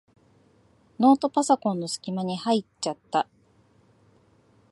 ノートパソコンのすき間に入っちゃった。